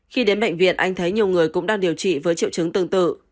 khi đến bệnh viện anh thấy nhiều người cũng đang điều trị với triệu chứng tương tự